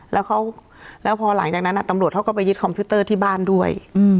แล้วพอหลังจากนั้นตำรวจเขาก็ไปยึดคอมพิวเตอร์ที่บ้านด้วย